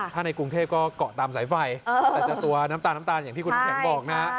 ถ้าในกรุงเทพก็เกาะตามสายไฟแต่จะตัวน้ำตาลน้ำตาลอย่างที่คุณน้ำแข็งบอกนะ